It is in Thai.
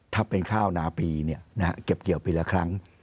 ถ้าเป็นข้าวนาปีเก็บเกี่ยวปีละครั้ง